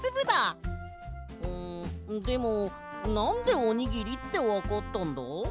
うんでもなんでおにぎりってわかったんだ？